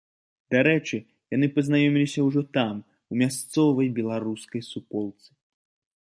Дарэчы, яны пазнаёміліся ўжо там, у мясцовай беларускай суполцы.